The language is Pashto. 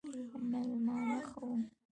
مېلمانه ښه وو